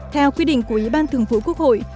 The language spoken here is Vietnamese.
theo quy định của ủy ban thường vụ quốc hội